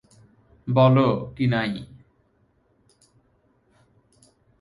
বলো, কিনাই।